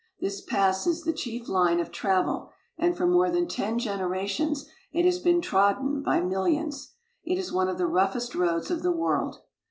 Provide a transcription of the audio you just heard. This pass is the chief line of travel, and for more than ten generations it has been trodden by millions. It is one of the roughest roads of the world.